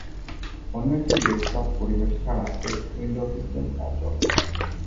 অন্য একটি ডেস্কটপ পরিবেশ ছাড়া এক্স উইন্ডো সিস্টেম অচল।